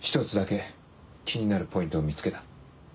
１つだけ気になるポイントを見つけた。